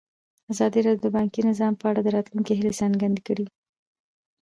ازادي راډیو د بانکي نظام په اړه د راتلونکي هیلې څرګندې کړې.